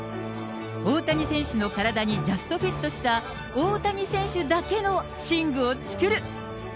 大谷選手の体にジャストフィットした、大谷選手だけの寝具を作る。